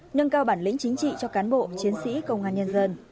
nâng cao bản lĩnh chính trị cho cán bộ chiến sĩ công an nhân dân